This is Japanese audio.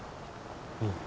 うん。